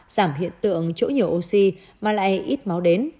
giảm hiện tượng chỗ nhiều oxy mà lại ít máu đến